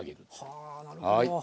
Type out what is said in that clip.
はあなるほど。